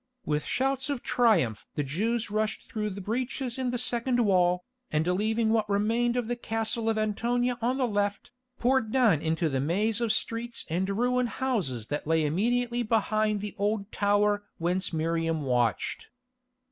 With shouts of triumph the Jews rushed through the breaches in the second wall, and leaving what remained of the castle of Antonia on the left, poured down into the maze of streets and ruined houses that lay immediately behind the Old Tower whence Miriam watched.